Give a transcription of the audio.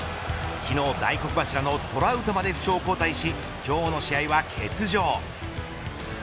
昨日大黒柱のトラウトまで負傷交代し今日の試合は欠場。